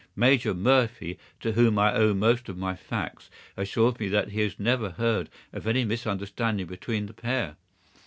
Major Murphy, to whom I owe most of my facts, assures me that he has never heard of any misunderstanding between the pair.